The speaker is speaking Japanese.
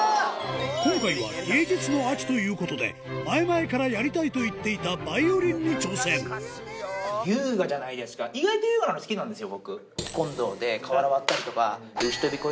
今回は芸術の秋ということで前々からやりたいと言っていたバイオリンに挑戦みんなにね。